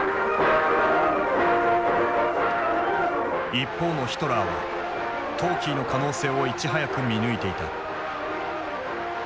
一方のヒトラーはトーキーの可能性をいち早く見抜いていた。